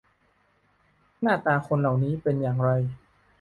หน้าตาคนเหล่านี้เป็นอย่างไร